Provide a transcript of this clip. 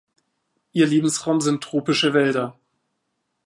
Ihr Lebensraum sind tropische Wälder.